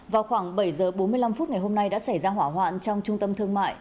vào khoảng bảy giờ bốn mươi năm phút ngày hôm nay đã xảy ra hỏa hoạn trong trung tâm thương mại